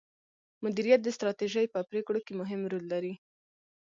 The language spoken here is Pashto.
مديريت د ستراتیژۍ په پریکړو کې مهم رول لري.